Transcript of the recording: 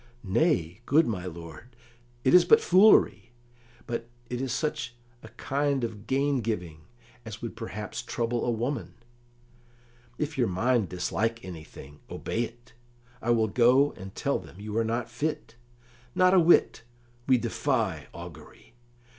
"Nay, good my lord " "It is but foolery; but it is such a kind of gain giving as would perhaps trouble a woman." "If your mind dislike anything, obey it. I will go and tell them you are not fit." "Not a whit; we defy augury.